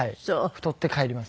太って帰ります。